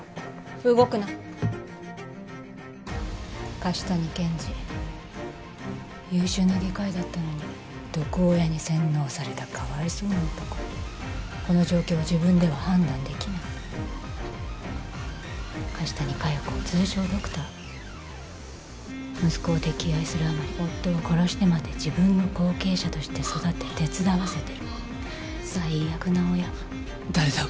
動くな樫谷健治優秀な外科医だったのに毒親に洗脳されたかわいそうな男この状況を自分では判断できない樫谷加代子通称ドクター息子を溺愛するあまり夫を殺してまで自分の後継者として育て手伝わせてる最悪な親誰だ？